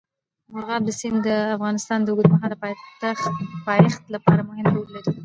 مورغاب سیند د افغانستان د اوږدمهاله پایښت لپاره مهم رول لري.